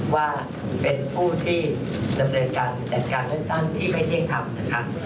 ว่าเป็นผู้ที่ดำเนินการจัดการเลือกตั้งที่ไม่เที่ยงทำนะคะ